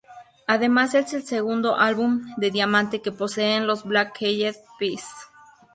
Además, es el segundo álbum de diamante que poseen los Black Eyed Peas.